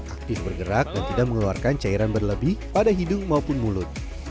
aktif bergerak dan tidak mengeluarkan cairan berlebih pada hidung maupun mulut